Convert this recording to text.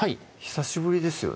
久しぶりです